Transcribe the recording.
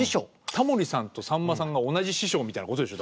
タモリさんとさんまさんが同じ師匠みたいなことでしょ。